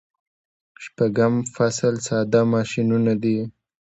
شپږم فصل ساده ماشینونه دي.